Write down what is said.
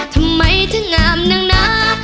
ทำไมเธองามหนังหนา